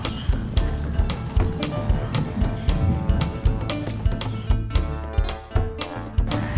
tidak ada yang bisa menganggap